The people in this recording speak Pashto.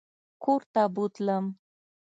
کورته بوتلم.